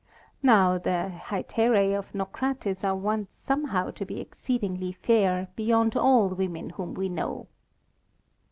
Now, the hetairai of Naucratis are wont somehow to be exceedingly fair, beyond all women whom we know.